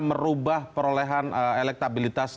merubah perolehan elektabilitas